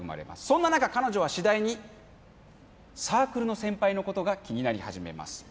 そんな中彼女は次第にサークルの先輩のことが気になり始めます